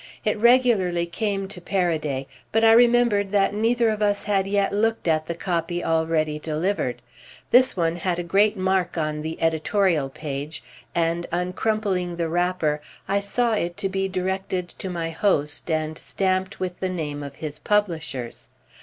It regularly came to Paraday, but I remembered that neither of us had yet looked at the copy already delivered. This one had a great mark on the "editorial" page, and, uncrumpling the wrapper, I saw it to be directed to my host and stamped with the name of his publishers.